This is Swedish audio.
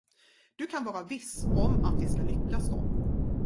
Du kan vara viss om att det skall lyckas dem.